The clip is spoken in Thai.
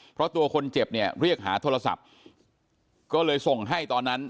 เพราะตัวคนเจ็บเนี่ยเรียกหาโทรศัพท์ก็เลยส่งให้ตอนนั้น